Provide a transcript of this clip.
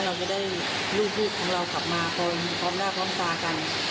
แล้วไม่ได้ลูกพี่ของเราขับมาพอนับพร้อมภาคกัน